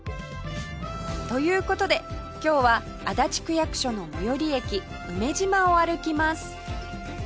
という事で今日は足立区役所の最寄り駅梅島を歩きます